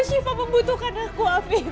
syifa membutuhkan aku afif